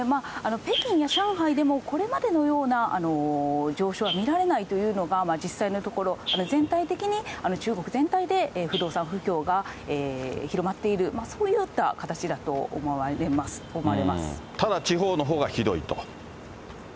北京や上海でもこれまでのような上昇は見られないというのが、実際のところ、全体的に、中国全体で不動産不況が広まっている、ただ、地方のほうがひどいと。